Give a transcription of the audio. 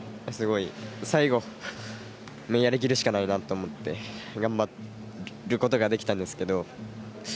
最後やり切るしかないなと思って頑張ることができたんですけど。